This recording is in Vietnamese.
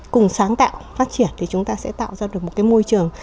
cùng sáng tạo phát triển thì chúng ta sẽ tạo ra được một cái môi trường